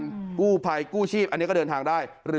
กู้ภัยกู้ชีพอันนี้ก็เดินทางได้